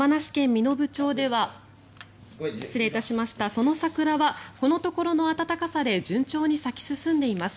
その桜はこのところの暖かさで順調に咲き進んでいます。